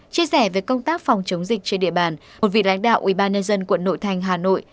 chia sẻ về công tác phòng chống dịch trên địa bàn một vị lãnh đạo ubnd quận nội thành hà nội